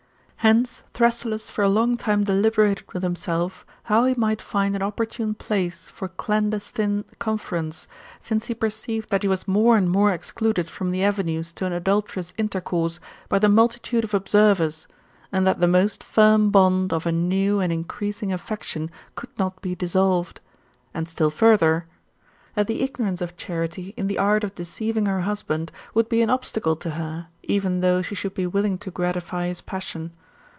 Hence, Thrasyllus for a long time deliberated with himself, how he might find an opportune place for clandestine conference, since he perceived that he was more and more excluded from the avenues to an adulterous intercourse,, by the multitude of observers, and that the most firm bond of a new and increasing afiection could not be dissolved ; and, still further, that the ignorance of Charite in the art of deceiving her husband, would be an obstacle to her, even though she should be willing to gratify his passion.